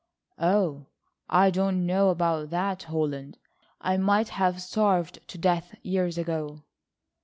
"Oh, I don't know about that, Holland. I might have starved to death years ago."